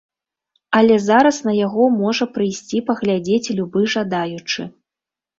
Але зараз на яго можа прыйсці паглядзець любы жадаючы.